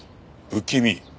不気味？